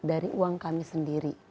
dari uang kami sendiri